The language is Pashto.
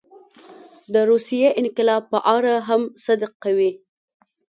د روسیې انقلاب په اړه هم صدق کوي.